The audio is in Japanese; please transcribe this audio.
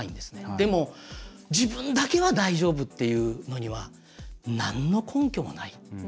でも、自分だけは大丈夫っていうのにはなんの根拠もない。